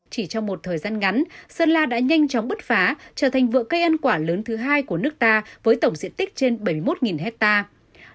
chỉ trong một thời gian ngắn sơn la đã nhanh chóng bứt phá trở thành vựa cây ăn quả lớn thứ hai của nước ta với tổng diện tích trên bảy mươi một hectare